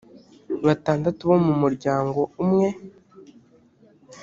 batandatu bo mu muryango umwe